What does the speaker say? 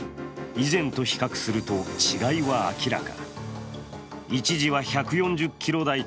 以前と比較すると、違いは明らか。